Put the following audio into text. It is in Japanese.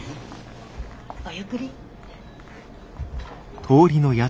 ごゆっくり。